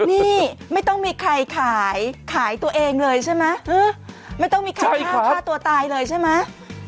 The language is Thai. นี่ไม่ต้องมีใครขายขายตัวเองเลยใช่ไหมไม่ต้องมีใครฆ่าฆ่าตัวตายเลยใช่ไหม